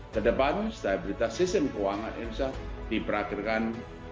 kedepan stabilitas sistem keuangan